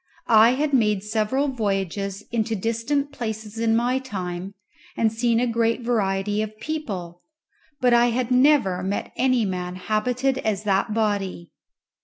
I had made several voyages into distant places in my time and seen a great variety of people; but I had never met any man habited as that body.